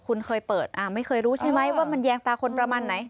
คุณเคยเปิดไม่เคยรู้ใช่ไหมว่ามันแยงตาคนประมาณไหน